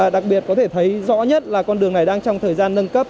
đặc biệt có thể thấy rõ nhất là con đường này đang trong thời gian nâng cấp